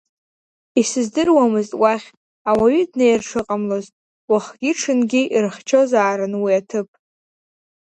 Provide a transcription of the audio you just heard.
Исыздыруамызт уахь ауаҩы днеир шыҟамлоз, уахгьы-ҽынгьы ирыхьчозаарын уи аҭыԥ.